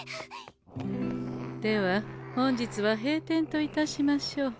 では本日は閉店といたしましょう。